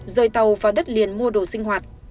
rời tàu vào đất liền mua đồ sinh hoạt